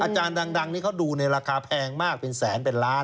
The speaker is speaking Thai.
อาจารย์ดังนี่เขาดูในราคาแพงมากเป็นแสนเป็นล้าน